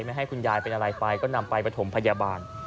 ไม่ให้คุณยายเป็นอะไรไปก็นำไปประถมพยาบาล